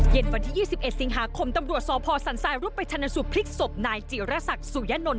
เย็นวันที่๒๑สิงหาคมตำรวจศพสันสายรุปประชานสุพภิกษ์สบนายจิระศักดิ์สุยานนท์